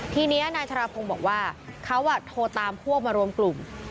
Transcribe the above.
ทีนี้นายชราพงศ์บอกว่าเขาโทรตามพวกมารวมกลุ่ม